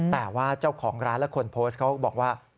แต่ว่าเจ้าของร้านและคนโพสต์เขาบอกว่า